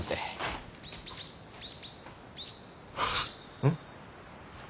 うん？